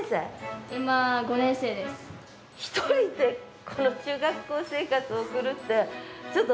１人でこの中学校生活を送るってそう。